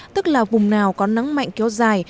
tức là vùng nào có nắng mạnh kéo dài